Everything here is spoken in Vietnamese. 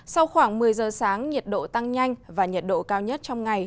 sau khoảng một mươi giờ sáng nhiệt độ tăng nhanh và nhiệt độ cao nhất trong ngày